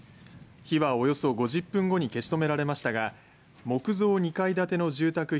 火はおよそ５０分後に消し止められましたが木造２階建ての住宅